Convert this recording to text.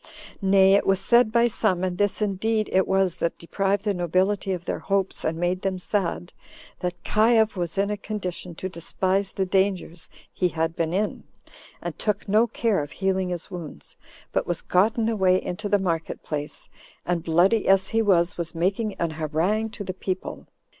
Nay, it was said by some [and this indeed it was that deprived the nobility of their hopes, and made them sad] that Caius was in a condition to despise the dangers he had been in, and took no care of healing his wounds, but was gotten away into the market place, and, bloody as he was, was making an harangue to the people.